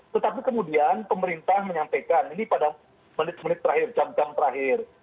tetapi kemudian pemerintah menyampaikan ini pada menit menit terakhir jam jam terakhir